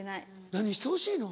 何してほしいの？